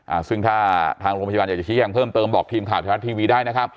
อ่าซึ่งถ้าทางโรงพยาบาลอยากจะชี้แจงเพิ่มเติมบอกทีมข่าวไทยรัฐทีวีได้นะครับ